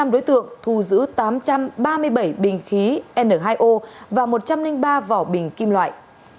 năm đối tượng thu giữ tám trăm ba mươi bảy bình khí n hai o và một trăm linh ba vỏ bình kim loại